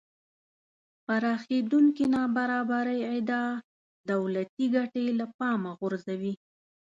پراخېدونکې نابرابرۍ ادعا دولتی ګټې له پامه غورځوي